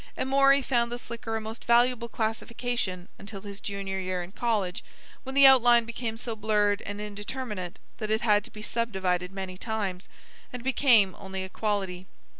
Amory found the slicker a most valuable classification until his junior year in college, when the outline became so blurred and indeterminate that it had to be subdivided many times, and became only a quality.